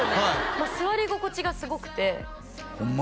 もう座り心地がすごくてホンマ